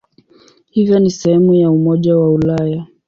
Hivyo ni sehemu ya Umoja wa Ulaya.